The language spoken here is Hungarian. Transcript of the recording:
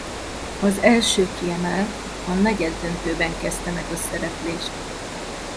Az első kiemelt a negyeddöntőben kezdte meg a szereplést.